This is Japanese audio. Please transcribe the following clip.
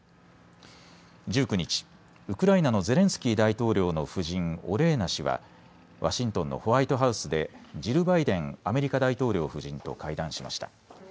１９日、ウクライナのゼレンスキー大統領の夫人、オレーナ氏はワシントンのホワイトハウスでジル・バイデンアメリカ大統領夫人と会談しました。